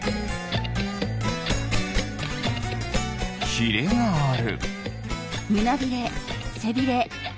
ひれがある。